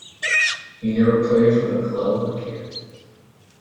He never played for the club again.